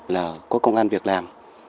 là có công an việc làm